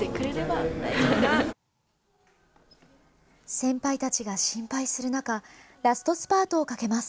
先輩たちが心配する中ラストスパートをかけます。